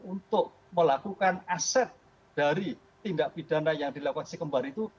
untuk melakukan aset dari tindak pidana yang dilakukan si kembar itu